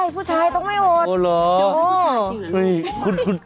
ผู้ชายต้องไม่อดเราอดได้ผู้ชายต้องไม่อด